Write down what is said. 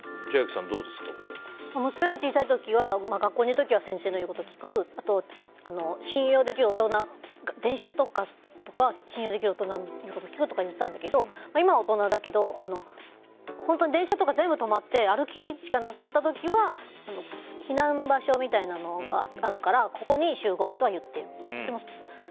娘が小さい時は学校にいる時は先生のことを聞く信用できる大人、電車とか言ったんだけど電車とか全部止まって歩きしかなくなった時は避難場所みたいなのがあるからここに集合とは言ってる。